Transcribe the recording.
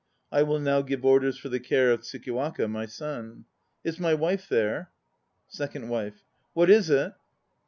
I will now give orders for the care of Tsukiwaka, my son. Is my wife there? SECOND WIFE. What is it?